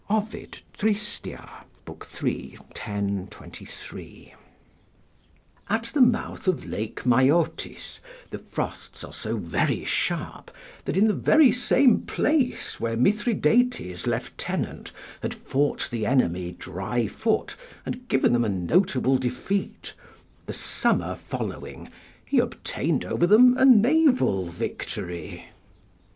Ovid, Trist., iii. 10, 23.] At the mouth of Lake Maeotis the frosts are so very sharp, that in the very same place where Mithridates' lieutenant had fought the enemy dryfoot and given them a notable defeat, the summer following he obtained over them a naval victory.